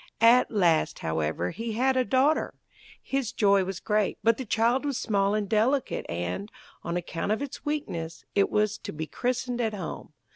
At last, however, he had a daughter. His joy was great, but the child was small and delicate, and, on account of its weakness, it was to be christened at home.